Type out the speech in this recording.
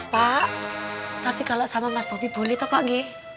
pak tapi kalo sama mas bobi boleh tau pak gk